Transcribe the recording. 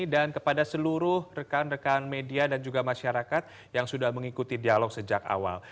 dan kepada seluruh rekan rekan media dan juga masyarakat yang sudah mengikuti dialog sejak awal